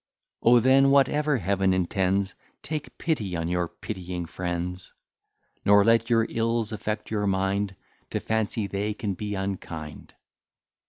O then, whatever Heaven intends, Take pity on your pitying friends! Nor let your ills affect your mind, To fancy they can be unkind.